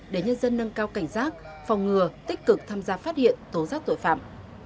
để nhân dân nâng cao cảnh giác phòng ngừa tích cực tham gia phát hiện tố giác tội phạm